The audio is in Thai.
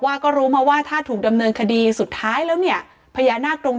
ว่าก็รู้มาว่าถ้าถูกดำเนินคดีสุดท้ายแล้วเนี่ยพญานาคตรง